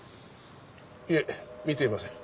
いえ見ていません。